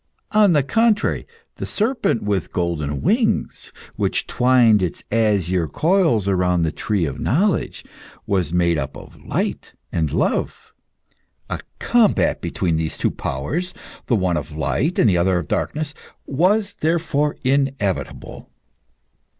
On the contrary, the serpent with golden wings, which twined its azure coils round the tree of knowledge, was made up of light and love. A combat between these two powers the one of light and the other of darkness was, therefore, inevitable.